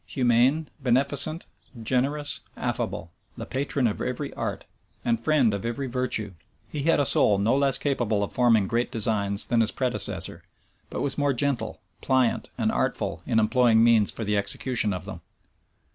Humane, beneficent, generous, affable; the patron of every art, and friend of every virtue;[*] he had a soul no less capable of forming great designs than his predecessor, but was more gentle, pliant, and artful in employing means for the execution of them.